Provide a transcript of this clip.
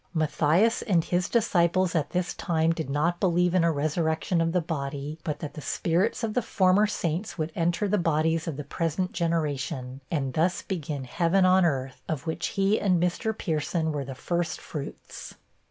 Matthias and his disciples at this time did not believe in a resurrection of the body, but that the spirits of the former saints would enter the bodies of the present generation, and thus begin heaven on earth, of which he and Mr. Pierson were the first fruits.